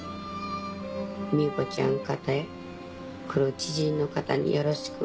ミーコちゃん方へ来る知人の方によろしく。